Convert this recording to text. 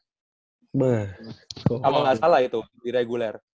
kalo gak salah itu di reguler